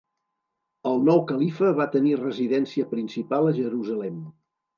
El nou califa va tenir residència principal a Jerusalem.